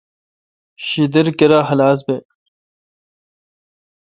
شدل کیرا خلاس بھون۔